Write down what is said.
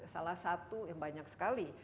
salah satu yang banyak sekali